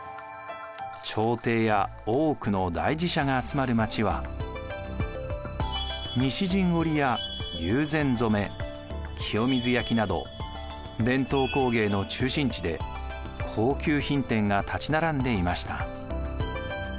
朝廷や多くの大寺社が集まる町は西陣織や友禅染清水焼など伝統工芸の中心地で高級品店が立ち並んでいました。